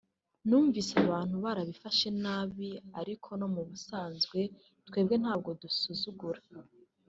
numvise abantu barabifashe nabi ariko no mu busanzwe twebwe ntabwo dusuzugura